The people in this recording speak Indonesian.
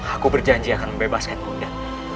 aku berjanji akan membebaskan bunda